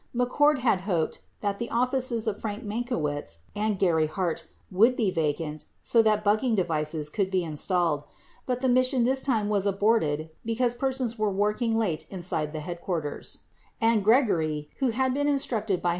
McCord had hoped that the offices of Frank Mankiewicz and Gary Hart would be vacant so that bugging devices could be installed. 23 But the mission this time was aborted because persons were working late inside the headquarters, 15 6 Hearings 2454.